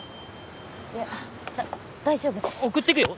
いやだっ大丈夫です送ってくよ